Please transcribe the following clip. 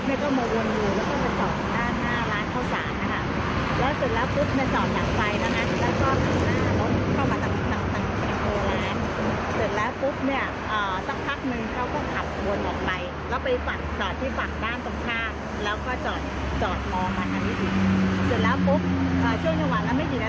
เขาก็ขับไปไปถึงแล้วถ้าจะขับเข้ามาน่าจะลืมอยู่ยังตรงสิ่งแรก